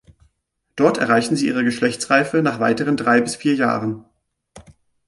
Dort erreichen sie ihre Geschlechtsreife nach weiteren drei bis vier Jahren.